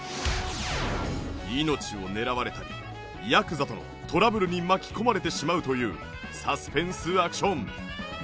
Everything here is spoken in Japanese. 命を狙われたりヤクザとのトラブルに巻き込まれてしまうというサスペンスアクション！